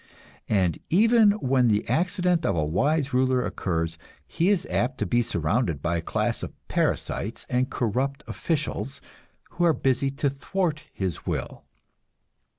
And even when the accident of a wise ruler occurs he is apt to be surrounded by a class of parasites and corrupt officials who are busy to thwart his will.